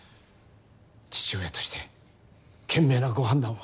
父親として賢明なご判断を。